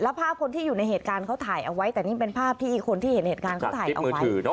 ภาพคนที่อยู่ในเหตุการณ์เขาถ่ายเอาไว้แต่นี่เป็นภาพที่คนที่เห็นเหตุการณ์เขาถ่ายเอาไว้